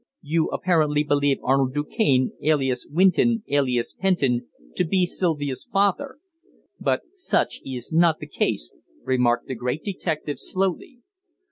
"You apparently believe Arnold Du Cane, alias Winton, alias Pennington, to be Sylvia's father but such is not the case," remarked the great detective slowly.